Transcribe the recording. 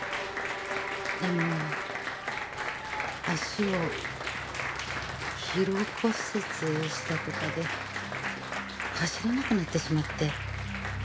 でも足を疲労骨折したとかで走れなくなってしまって。